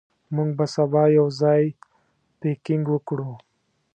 موږ به سبا یو ځای پکنیک وکړو.